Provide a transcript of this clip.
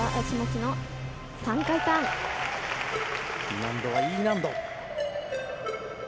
難度はＥ難度。